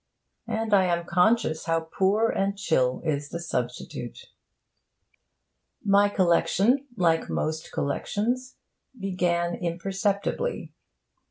And I am conscious how poor and chill is the substitute. My collection like most collections, began imperceptibly.